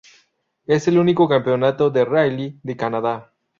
Es el único campeonato de rally de Canadá.